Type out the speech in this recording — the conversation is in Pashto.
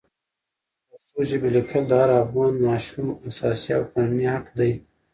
د پښتو ژبې لیکل د هر افغان ماشوم اساسي او قانوني حق دی.